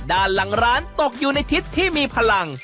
ด้านหลังร้านตกอยู่ในทิศที่มีพลัง